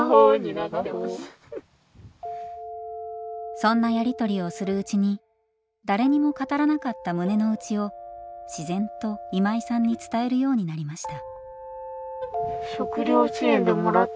そんなやりとりをするうちに誰にも語らなかった胸の内を自然と今井さんに伝えるようになりました。